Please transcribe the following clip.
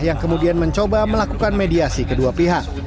yang kemudian mencoba melakukan mediasi kedua pihak